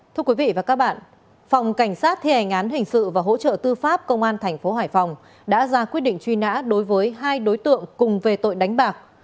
thưa quý vị và các bạn phòng cảnh sát thi hành án hình sự và hỗ trợ tư pháp công an tp hải phòng đã ra quyết định truy nã đối với hai đối tượng cùng về tội đánh bạc